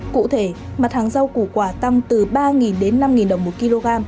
cụ thể mặt hàng rau củ quả tăng từ ba đến năm đồng một kg